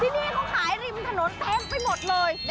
ที่นี่เขาขายริมถนนเต็มไปหมดเลย